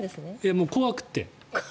もう怖くって。